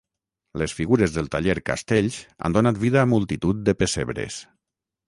Les figures del taller Castells han donat vida a multitud de pessebres.